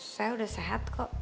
saya udah sehat kok